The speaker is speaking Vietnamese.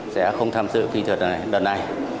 sẽ không tham dự thi thuyết đợt này